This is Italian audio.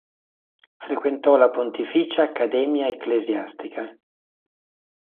Frequentò la Pontificia accademia ecclesiastica.